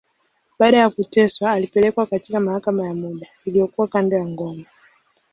Baada ya kuteswa, alipelekwa katika mahakama ya muda, iliyokuwa kando ya ngome.